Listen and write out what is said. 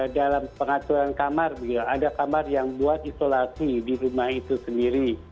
dalam pengaturan kamar ada kamar yang buat isolasi di rumah itu sendiri